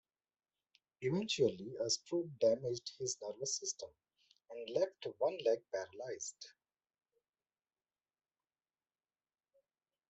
Eventually, a stroke damaged his nervous system and left one leg paralyzed.